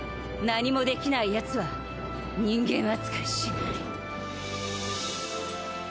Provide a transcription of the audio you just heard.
何もできないやつは人間扱いしない。